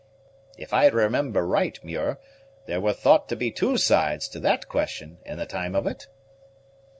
"If I remember right, Muir, there were thought to be two sides to that question, in the time of it?"